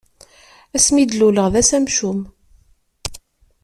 Ass mi d-luleɣ d ass amcum.